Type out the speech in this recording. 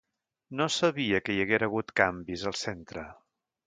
No sabia que hi haguera hagut canvis, al centre.